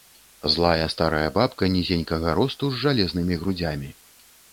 Злая старая бабка нізенькага росту, з жалезнымі грудзямі.